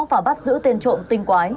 và bắt giữ tên trộm tinh quái